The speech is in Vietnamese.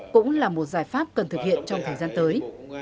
cũng là một giải pháp cần thực hiện trong thời gian tới